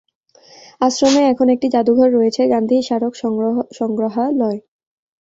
আশ্রমে এখন একটি জাদুঘর রয়েছে, গান্ধী স্মারক সংগ্রহালয়।